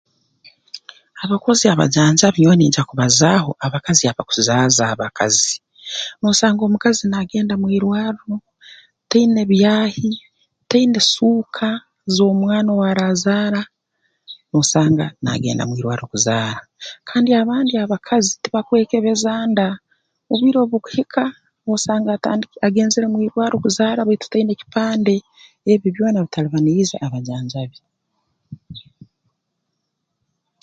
Abakozi abajanjabi nyowe ningya kubazaaho abakazi abakuzaaza abakazi noosanga omukazi naagenda mu irwarro taine byaahi taine suuka z'omwana owaarazaara noosanga naagenda mu irwarro kuzaara kandi abandi abakazi tibakwekebeza nda obwire obu bukuhika noosanga atandi agenzere mu irwarro kuzaara baitu taina kipande ebi byona bitalibaniize abajanjabi